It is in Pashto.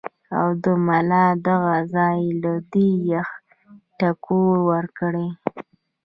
او د ملا دغه ځائے له دې يخ ټکور ورکړي -